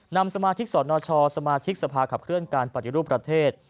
นำสมาชิกสนชสมาชิกสภาขับเคลื่อนการปฏิรูปประเทศ